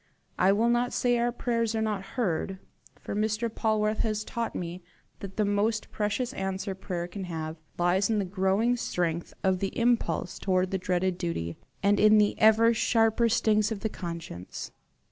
I will not say our prayers are not heard, for Mr. Polwarth has taught me that the most precious answer prayer can have, lies in the growing strength of the impulse towards the dreaded duty, and in the ever sharper stings of the conscience.